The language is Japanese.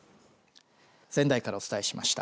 仙台からお伝えしました。